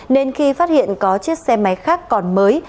nên khi phát hiện có chiếc xe máy khác còn mới